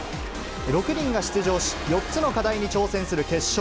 ６人が出場し、４つの課題に挑戦する決勝。